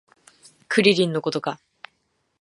クリリンのことか